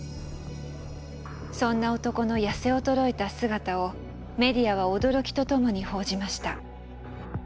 そんな男の痩せ衰えた姿をメディアは驚きとともに報じました。